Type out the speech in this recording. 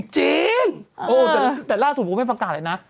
โอ้จะได้แต่ล่าสู่พวกผมไม่ประกาศเลยนะ